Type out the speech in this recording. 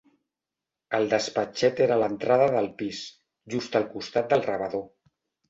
El despatxet era a l'entrada del pis, just al costat del rebedor.